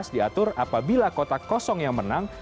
diatur apabila kota kosong yang menang